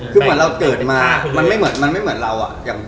คือเหมือนเราเกิดมามันไม่เหมือนเราอะ